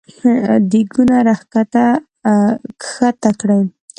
دېګونه راکښته کړی !